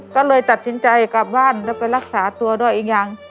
ก็เลยตัดสินใจกลับบ้านแล้วไปรักษาตัวด้วยอีกอย่าง